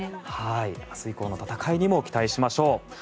明日以降の戦いにも期待しましょう。